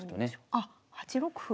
あっ８六歩。